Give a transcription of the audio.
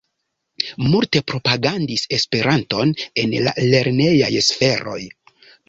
Multe propagandis Esperanton en la lernejaj sferoj.